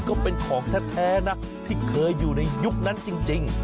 ก็เป็นของแท้นะที่เคยอยู่ในยุคนั้นจริง